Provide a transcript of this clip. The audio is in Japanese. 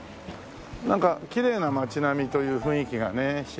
なんかきれいな街並みという雰囲気がねしますね。